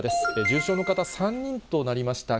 重症の方、３人となりました。